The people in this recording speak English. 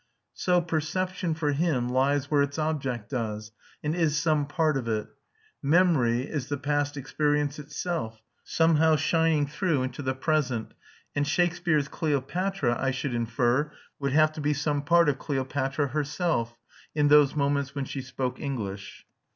So perception, for him, lies where its object does, and is some part of it; memory is the past experience itself, somehow shining through into the present; and Shakespeare's Cleopatra, I should infer, would have to be some part of Cleopatra herself in those moments when she spoke English.